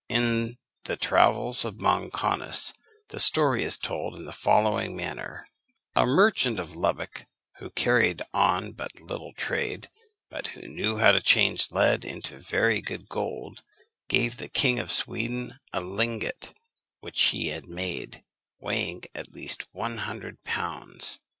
In the Travels of Monconis the story is told in the following manner: "A merchant of Lubeck, who carried on but little trade, but who knew how to change lead into very good gold, gave the King of Sweden a lingot which he had made, weighing at least one hundred pounds.